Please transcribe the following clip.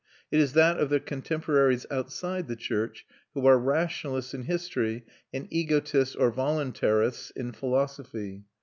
It is that of their contemporaries outside the church, who are rationalists in history and egotists or voluntarists in philosophy.